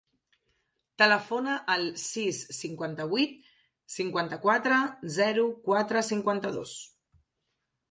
Telefona al sis, cinquanta-vuit, cinquanta-quatre, zero, quatre, cinquanta-dos.